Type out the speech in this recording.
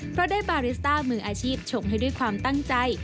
เพราะได้บาริสต้ามืออาชีพชงให้ด้วยความตั้งใจ